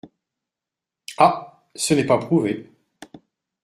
Ah ! ce n’est pas prouvé.